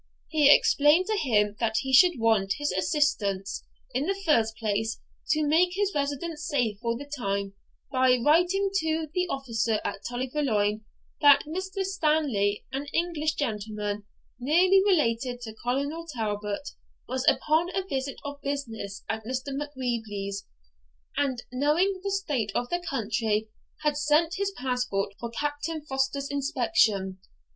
He explained to him that he should want his assistance, in the first place, to make his residence safe for the time, by writing to the officer at Tully Veolan that Mr. Stanley, an English gentleman nearly related to Colonel Talbot, was upon a visit of business at Mr. Macwheeble's, and, knowing the state of the country, had sent his passport for Captain Foster's inspection.